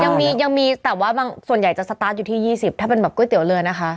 ยังมียังมีแต่ว่าบางส่วนใหญ่จะสตาร์ทอยู่ที่๒๐ถ้าเป็นแบบก๋วยเตี๋ยวเรือนะคะ